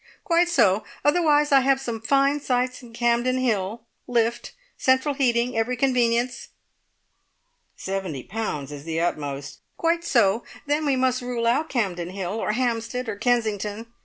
"Quite so. Otherwise I have some fine sites in Campden Hill. Lift. Central heating. Every convenience." "Seventy pounds is the utmost " "Quite so. Then we must rule out Campden Hill, or Hampstead, or Kensington."